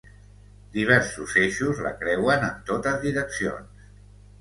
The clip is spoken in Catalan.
Diversos eixos la creuen en totes direccions.